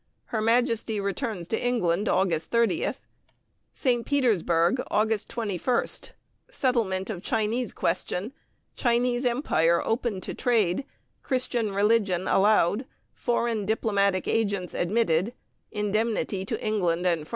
Her Majesty returns to England, August 30th. St. Petersburg, August 21st Settlement of Chinese Question: Chinese Empire opened to trade; Christian religion allowed; foreign diplomatic agents admitted; indemnity to England and France.